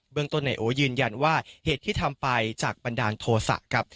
เบื้องตนในโอยืนยันว่าเหตุที่ทำไปจากปันดารโทรศะ